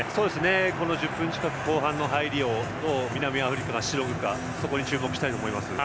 この１０分近く後半の入りを、どう南アフリカがしのぐかに注目したいと思います。